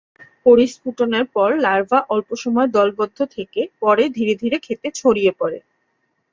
পরিস্ফুটনের পর লার্ভা অল্পসময় দলবদ্ধ থেকে পরে ধীরে ধীরে ক্ষেতে ছড়িয়ে পড়ে।